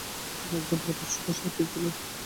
তিনি একজন প্রতিষ্ঠিত সাহিত্যিক ছিলেন ।